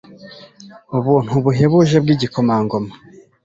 Ubuntu buhebuje bwigikomangoma